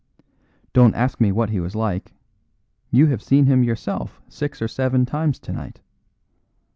Don't ask me what he was like; you have seen him yourself six or seven times tonight.